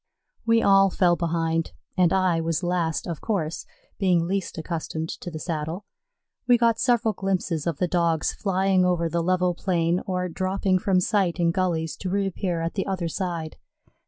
We all fell behind, and I was last, of course, being least accustomed to the saddle. We got several glimpses of the Dogs flying over the level plain or dropping from sight in gullies to reappear at the other side.